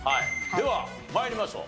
では参りましょう。